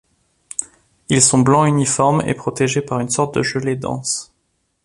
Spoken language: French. Ils sont blanc uniforme et protégés par une sorte de gelée dense.